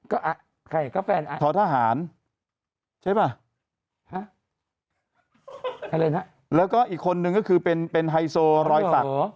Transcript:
ก็อ่ะใครก็แฟนอ่ะท้อทหารใช่ป่ะฮะอะไรนะแล้วก็อีกคนนึงก็คือเป็นเป็นไฮโซรอยสัก